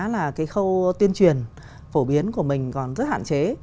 là cái khâu tuyên truyền phổ biến của mình còn rất hạn chế